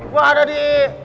gua ada di